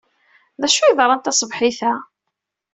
D acu ay yeḍran taṣebḥit-a?